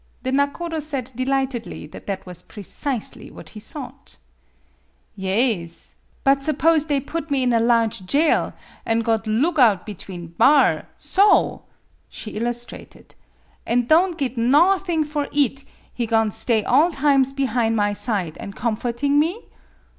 The nakodo said delightedly .that that was precisely what he sought. "Yaes; but suppose they put me in a large jail, an' got loog out between bar so," she illustrated, "an' don' git naw thing for eat; he go'n' stay all times behine my side, an' comforting me